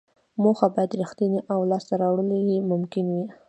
موخه باید ریښتینې او لاسته راوړل یې ممکن وي.